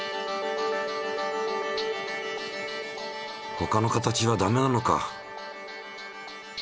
ほかの形はダメなのか。